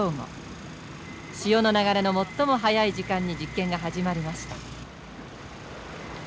潮の流れの最も速い時間に実験が始まりました。